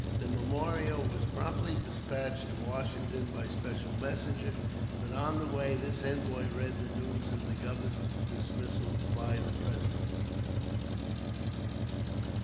The memorial was promptly dispatched to Washington by special messenger; but on the way this envoy read the news of the Governor's dismissal by the President.